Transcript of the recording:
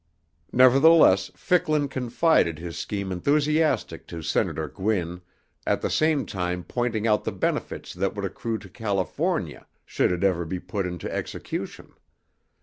Nevertheless, Ficklin confided his scheme enthusiastically to Senator Gwin, at the same time pointing out the benefits that would accrue to California should it ever be put into execution.